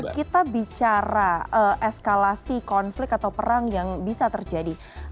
kita bicara eskalasi konflik atau perang yang bisa terjadi